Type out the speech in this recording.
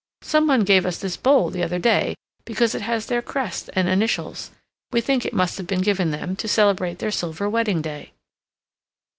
Some one gave us this bowl the other day because it has their crest and initials. We think it must have been given them to celebrate their silver wedding day."